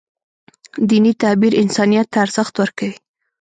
دیني تعبیر انسانیت ته ارزښت ورکوي.